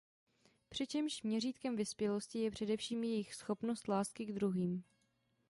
Přičemž měřítkem vyspělosti je především jejich schopnost lásky k druhým.